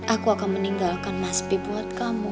aku akan meninggalkan mas pi buat kamu